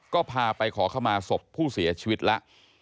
ก็พาไปขอเข้ามาศพผู้เสียชีวิตแล้ว